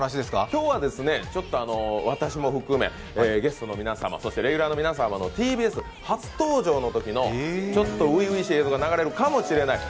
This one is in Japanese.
今日は私も含め、ゲストの皆様、そしてレギュラーの皆様の初登場のちょっと初々しい映像が流れるかもしれない。